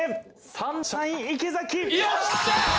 サンシャイン池崎！